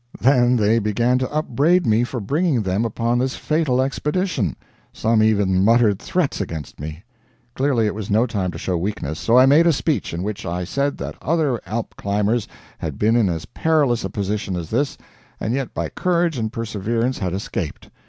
Then they began to upbraid me for bringing them upon this fatal expedition. Some even muttered threats against me. Clearly it was no time to show weakness. So I made a speech in which I said that other Alp climbers had been in as perilous a position as this, and yet by courage and perseverance had escaped.